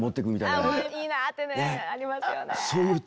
「いいな」ってねありますよね。